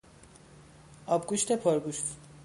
آبگوشت پرگوشت